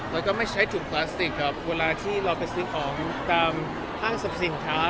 แล้วก็ไม่ใช้ถุงพลาสติกครับเวลาที่เราไปซื้อของตามห้างสรรพสินค้า